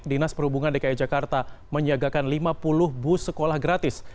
dinas perhubungan dki jakarta menyiagakan lima puluh bus sekolah gratis